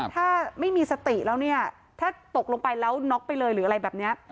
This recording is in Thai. ถ้าไม่มีสติแล้วเนี่ยถ้าตกลงไปแล้วน็อกไปเลยหรืออะไรแบบนี้